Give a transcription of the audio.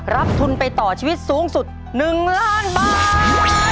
รับทุนไปต่อชีวิตสูงสุด๑ล้านบาท